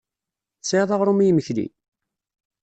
Tesɛiḍ aɣrum i yimekli?